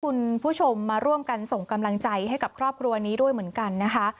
คุณผู้ชมมาร่วมกันส่งกำลังใจให้กับครอบครัวนี้ด้วยเหมือนกันนะคะ